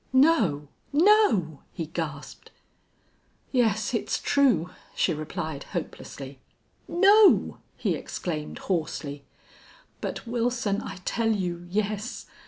"No no!" he gasped. "Yes, it's true," she replied, hopelessly. "No!" he exclaimed, hoarsely. "But, Wilson, I tell you yes.